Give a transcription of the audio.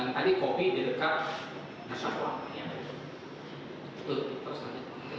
yang tadi kopi di dekat jangkauan